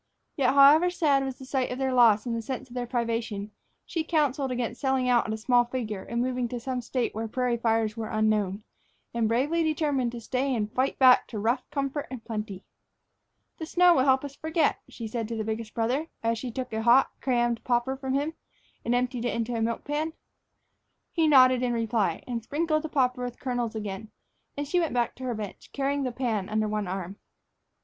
Yet, however sad was the sight of their loss and the sense of their privation, she counseled against selling out at a small figure and moving to some State where prairie fires were unknown, and bravely determined to stay and fight back to rough comfort and plenty. "The snow will help us to forget," she said to the biggest brother, as she took a hot, crammed popper from him and emptied it into a milk pan. He nodded in reply, and sprinkled the popper with kernels again, and she went back to her bench, carrying the pan under one arm.